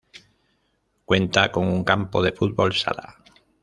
Cuenta con un campo de fútbol sala.